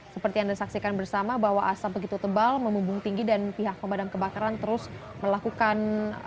seperti yang disaksikan bersama bahwa asam begitu tebal memungkung tinggi dan pihak pemadam kebakaran terus melakukan